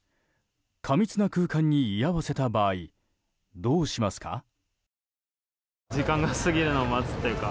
過密な空間に居合わせた場合どうしますか？